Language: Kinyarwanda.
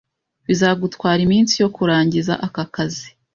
Bizagutwara iminsi yo kurangiza aka kazi.